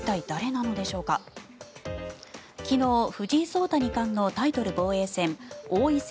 昨日、藤井聡太二冠のタイトル防衛戦王位戦